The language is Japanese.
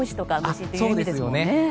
虫っていう意味ですもんね。